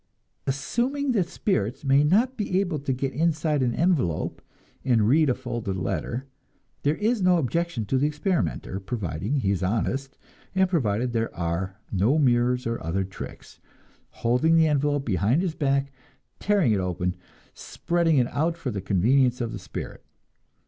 Assuming that spirits may not be able to get inside an envelope and read a folded letter, there is no objection to the experimenter, provided he is honest, and provided there are no mirrors or other tricks, holding the envelope behind his back, and tearing it open, and spreading it out for the convenience of the spirit.